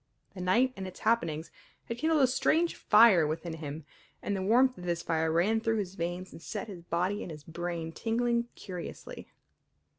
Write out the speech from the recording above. The night and its happenings had kindled a strange fire within him, and the warmth of this fire ran through his veins and set his body and his brain tingling curiously.